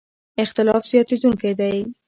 اختلاف زیاتېدونکی دی.